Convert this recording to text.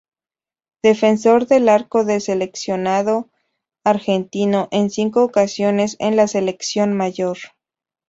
Defensor del arco del Seleccionado Argentino en cinco ocasiones en la selección mayor.